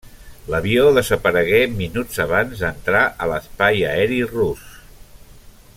L'avió desaparegué minuts abans d'entrar a l'espai aeri rus.